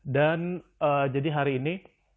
dan jadi hari ini